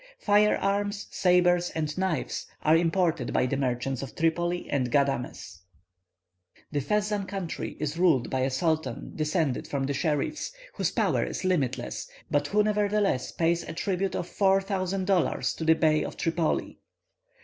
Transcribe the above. Fire arms, sabres, and knives are imported by the merchants of Tripoli and Ghâdames. The Fezzan country is ruled by a sultan descended from the scherifs, whose power is limitless, but who, nevertheless, pays a tribute of four thousand dollars to the Bey of Tripoli.